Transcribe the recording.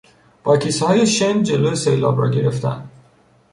با کیسههای شن جلو سیلاب را گرفتن